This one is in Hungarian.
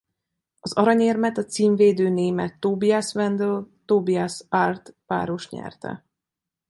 Az aranyérmet a címvédő német Tobias Wendl–Tobias Arlt-páros nyerte.